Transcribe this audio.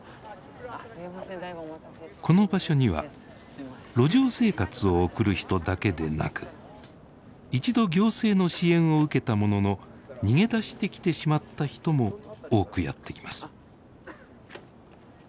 この場所には路上生活を送る人だけでなく一度行政の支援を受けたものの逃げ出してきてしまった人も多くやって来ます。